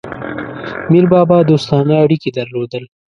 میربابا دوستانه اړیکي درلودل.